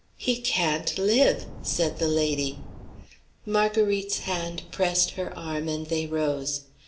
"He can't live," said the lady. Marguerite's hand pressed her arm, and they rose.